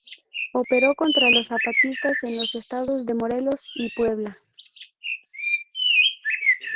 Operó contra los zapatistas en los estados de Morelos y Puebla.